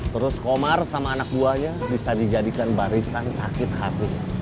terus komar sama anak buahnya bisa dijadikan barisan sakit hati